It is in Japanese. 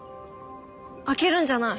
開けるんじゃない。